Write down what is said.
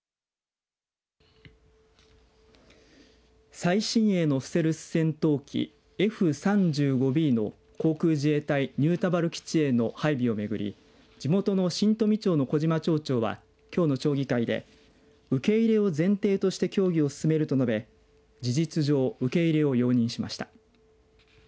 最新鋭のステルス戦闘機Ｆ３５Ｂの航空自衛隊、新田原基地への配備をめぐり地元の新富町の小嶋町長はきょうの町議会で受け入れを前提として協議を進めると述べ事実上受け入れを容認しました。